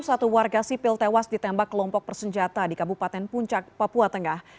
satu warga sipil tewas ditembak kelompok bersenjata di kabupaten puncak papua tengah